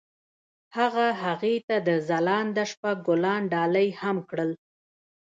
هغه هغې ته د ځلانده شپه ګلان ډالۍ هم کړل.